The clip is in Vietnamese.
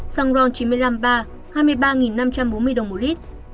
xăng ron chín mươi năm ba hai mươi ba năm trăm bốn mươi đồng một lít